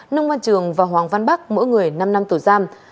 nông văn trường và hoàng văn bắc mỗi người năm năm tù giam